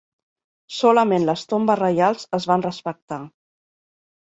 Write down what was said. Solament les tombes reials es van respectar.